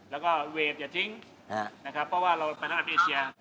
แล้วก็เวทอย่าทิ้งนะครับเพราะว่าเราเป็นนักเอเชีย